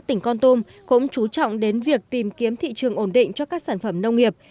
tỉnh con tum cũng chú trọng đến việc tìm kiếm thị trường ổn định cho các sản phẩm nông nghiệp